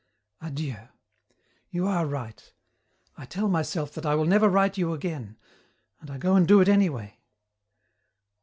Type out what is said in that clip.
Adieu. You are right. I tell myself that I will never write you again, and I go and do it anyway.